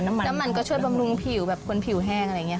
น้ำมันก็ช่วยบำรุงผิวแบบคนผิวแห้งอะไรอย่างนี้